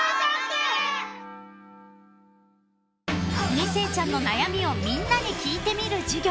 ［２世ちゃんの悩みをみんなに聞いてみる授業］